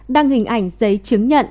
đăng hình ảnh giấy chứng nhận